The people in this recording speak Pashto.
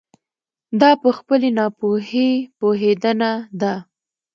دا په خپلې ناپوهي پوهېدنه ده.